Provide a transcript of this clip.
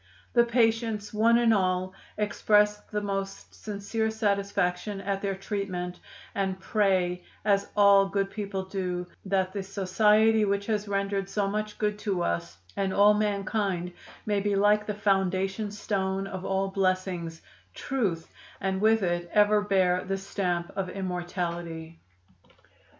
"The patients, one and all, express the most sincere satisfaction at their treatment, and pray, as all good people do, that the society which has rendered so much good to us and all mankind may be like the foundation stone of all blessings Truth and with it ever bear the stamp of immortality."